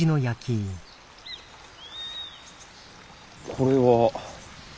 これは。